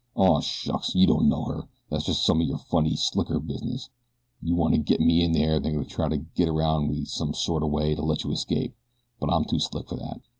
"Aw shucks! you don't know her that's jest some o' your funny, slicker business. You wanna git me in there an' then you'll try an' git aroun' me some sort o' way to let you escape; but I'm too slick for that."